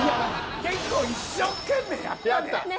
結構一生懸命やったで。